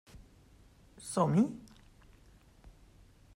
Som-hi?